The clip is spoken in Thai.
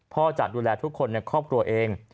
จะดูแลทุกคนในครอบครัวเอง